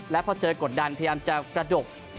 และพอเจอกดดันพยายามจะกระดก